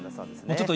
ちょっと